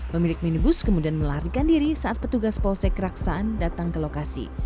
pemilik minibus kemudian melarikan diri saat petugas polsek raksaan datang ke lokasi